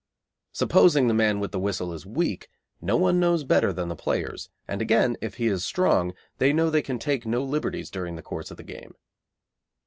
Supposing the man with the whistle is weak, no one knows better than the players, and again, if he is strong, they know they can take no liberties during the course of the game.